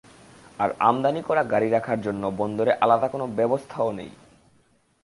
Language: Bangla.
আর আমদানি করা গাড়ি রাখার জন্য বন্দরে আলাদা কোনো ব্যবস্থাও নেই।